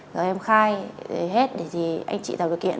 giờ em khai hết thì anh chị tạo điều kiện